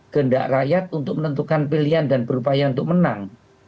kendak rakyat untuk menentukan pilihan dan berupaya untuk menang